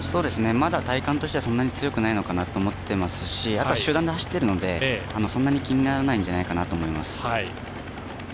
まだ体感としてはそんなに強くないかなと思ってますしあとは集団で走ってるのでそんなに気にならないんじゃないかと思います。